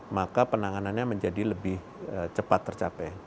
maka penanganannya menjadi lebih cepat tercapai